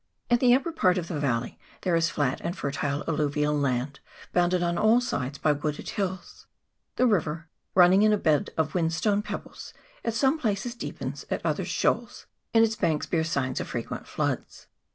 At the upper part of the valley there is flat and fertile alluvial land, bounded on all sides by wooded hills ; the river, running in a bed of whinstone pebbles, at some places deepens, at others shoals, and its banks bear signs of frequent floods.